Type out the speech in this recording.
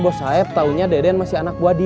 soalnya bos saeb taunya deden masih anak gua dia